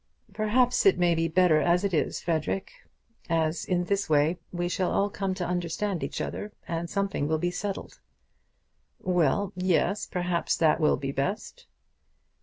"Perhaps it may be better as it is, Frederic; as in this way we shall all come to understand each other, and something will be settled." "Well, yes; perhaps that will be best."